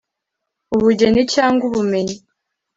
ubugeni cyangwa ubumenyi